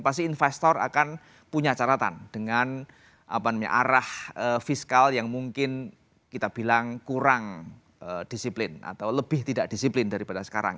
pasti investor akan punya caratan dengan arah fiskal yang mungkin kita bilang kurang disiplin atau lebih tidak disiplin daripada sekarang